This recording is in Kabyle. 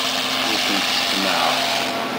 Ur kent-sseqnaɛeɣ.